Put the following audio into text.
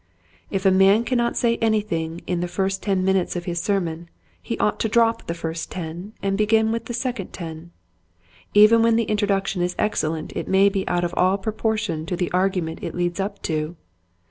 If a man cannot say any thing in the first ten minutes of his sermon he ought to drop the first ten and begin with the second ten. Even when the introduction is excellent it may be out of all proportion to the argument it leads up to.